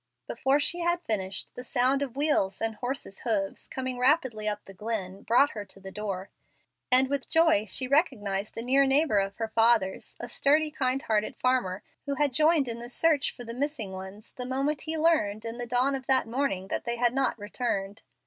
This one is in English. Before she had finished, the sound of wheels and horses' hoofs coming rapidly up the glen brought her to the door, and with joy she recognized a near neighbor of her father's, a sturdy, kind hearted farmer, who had joined in the search for the missing ones the moment he learned, in the dawn of that morning, that they had not returned.